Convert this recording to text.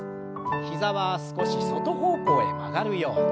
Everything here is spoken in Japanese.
膝は少し外方向へ曲がるように。